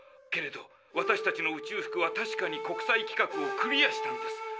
けれど私たちの宇宙服は確かに国際規格をクリアーしたんです。